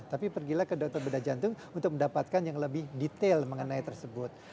tapi pergilah ke dokter bedah jantung untuk mendapatkan yang lebih detail mengenai tersebut